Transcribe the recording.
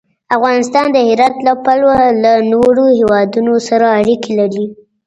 افغانستان د هرات له پلوه له نورو هېوادونو سره اړیکې لري.